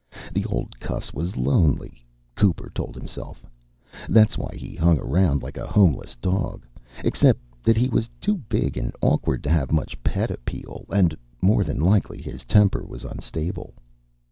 The old cuss was lonely, Cooper told himself. That was why he hung around like a homeless dog except that he was too big and awkward to have much pet appeal and, more than likely, his temper was unstable.